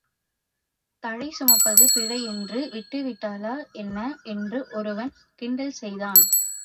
தழை சுமப்பது பிழை என்று விட்டுவிட்டாளா என்ன என்று ஒருவன் கிண்டல் செய்தான்.